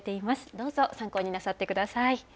どうぞ参考になさってください。